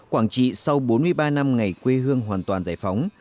quảng trị sau bốn mươi ba năm ngày quê hương hoàn toàn giải phóng